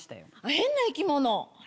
変な生き物？